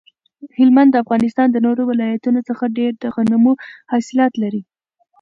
هلمند د افغانستان د نورو ولایتونو څخه ډیر د غنمو حاصلات لري